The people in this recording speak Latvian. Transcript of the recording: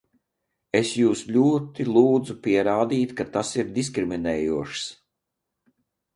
Es jūs ļoti lūdzu pierādīt, ka tas ir diskriminējošs!